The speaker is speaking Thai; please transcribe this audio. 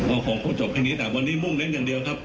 คงต้องจบแค่นี้แต่วันนี้มุ่งเน้นอย่างเดียวครับ